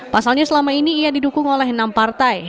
pasalnya selama ini ia didukung oleh enam partai